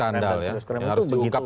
dan serius krim itu begitu